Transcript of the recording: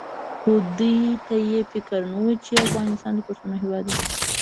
خو دې ته یې فکر نه وو چې افغانستان د پښتنو هېواد دی.